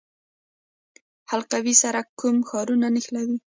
حلقوي سړک کوم ښارونه نښلوي؟